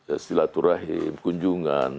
istilatuh rahim kunjungan